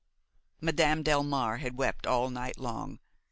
Madame Delmare had wept all night long.